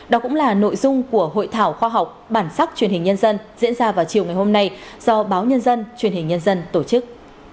đó cũng là nội dung của hội thảo khoa học bản sắc truyền hình nhân dân diễn ra vào chiều ngày hôm nay do báo nhân dân truyền hình nhân dân tổ chức